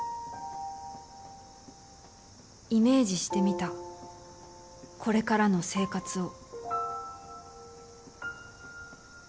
イメージしてみたこれからの生活を。